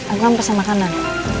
aku hampir sama kanan